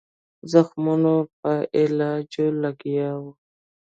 زخمونو په علاج لګیا وو.